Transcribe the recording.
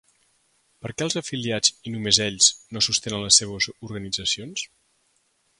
Per què els afiliats, i només ells, no sostenen les seues organitzacions?